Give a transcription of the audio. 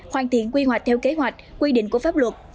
hoàn thiện quy hoạch theo kế hoạch quy định của pháp luật